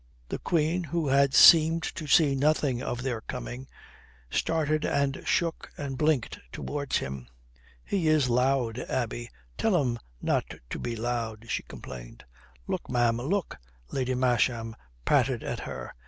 The Queen, who had seemed to see nothing of their coming, started and shook and blinked towards him. "He is loud, Abbie. Tell him not to be loud," she complained. "Look, ma'am, look," Lady Masham patted at her.